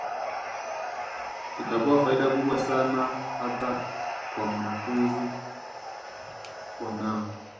Itakua faida kubwa sana hata kwa wanafunzi wanao